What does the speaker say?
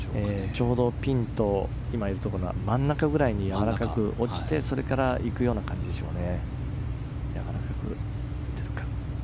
ちょうどピンと今いるところの真ん中ぐらいに落ちてそれから行く感じでしょうね。